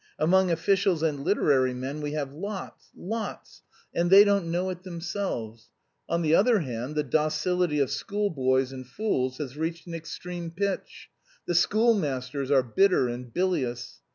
Among officials and literary men we have lots, lots, and they don't know it themselves. On the other hand, the docility of schoolboys and fools has reached an extreme pitch; the schoolmasters are bitter and bilious.